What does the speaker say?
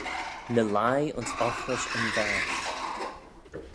Ny lhie ayns oghrish yn vaase.